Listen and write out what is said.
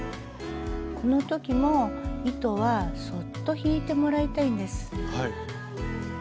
この時も糸はそっと引いてもらいたいんです。